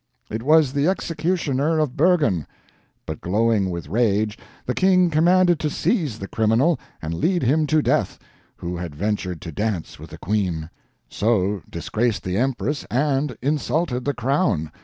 It was the executioner of Bergen. But glowing with rage, the King commanded to seize the criminal and lead him to death, who had ventured to dance, with the queen; so disgraced the Empress, and insulted the crown.